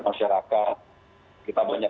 masyarakat kita banyak